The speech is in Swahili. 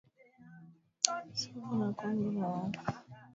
Sugu na Kundi la Rough Niggaz lililokuwa linaundwa na Eddy T and Easy S